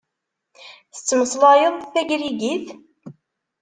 Tettmeslayeḍ tagrigit?